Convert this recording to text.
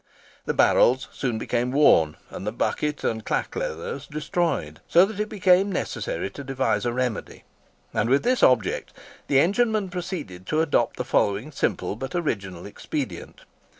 The barrels soon became worn, and the bucket and clack leathers destroyed, so that it became necessary to devise a remedy; and with this object the engineman proceeded to adopt the following simple but original expedient.